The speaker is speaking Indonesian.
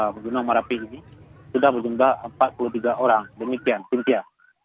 gunung merapi ini sudah berjumlah empat puluh tiga orang demikian sintia